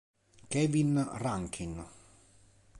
Kevin Rankin